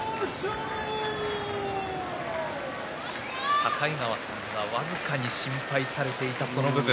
境川さんが僅かに心配されていたその部分。